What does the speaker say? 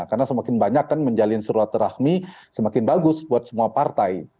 karena semakin banyak kan menjalin surat rahmi semakin bagus buat semua partai